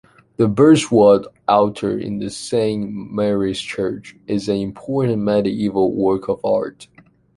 The Berswordt altar in the St. Mary's Church is an important medieval work of art.